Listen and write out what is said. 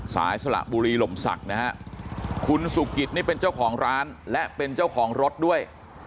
สละบุรีหล่มศักดิ์นะฮะคุณสุกิตนี่เป็นเจ้าของร้านและเป็นเจ้าของรถด้วย